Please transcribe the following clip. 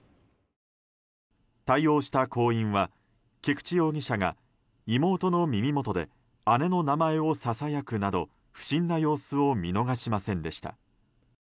対応した行員は菊池容疑者が妹の耳元で姉の名前をささやくなど不審な様子を見逃しませんでした。